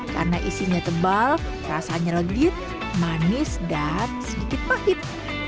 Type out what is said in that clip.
karena isinya tebal rasanya legit manis dan sedikit pahit